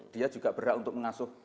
dia juga berhak untuk mengasuh